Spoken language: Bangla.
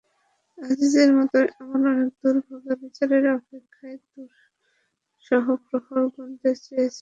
আজিজের মতো এমন অনেক দুর্ভাগা বিচারের অপেক্ষায় দুঃসহ প্রহর গুনে চলেছেন।